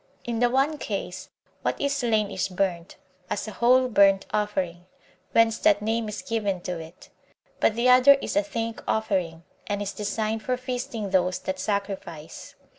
In the one case, what is slain is burnt, as a whole burnt offering, whence that name is given to it; but the other is a thank offering, and is designed for feasting those that sacrifice.